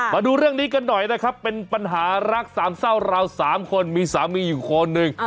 มาดูเรื่องนี้กันหน่อยนะครับเป็นปัญหารักสามเศร้าเราสามคนมีสามีอยู่คนหนึ่ง